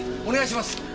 お願いします。